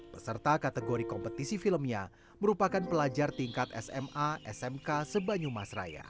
peserta kategori kompetisi filmnya merupakan pelajar tingkat sma smk sebanyumas raya